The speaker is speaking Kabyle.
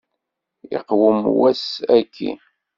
Iqwem wass-aki.